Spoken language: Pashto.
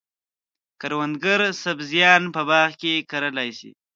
کروندګر سبزیان په باغ کې کرلای شي.